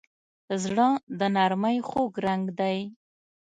زړه د نرمۍ خوږ رنګ دی.